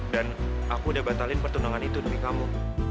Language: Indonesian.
dan aku udah batalin pertunangan itu dari kamu